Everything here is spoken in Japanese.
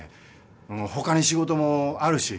他に仕事もあるし。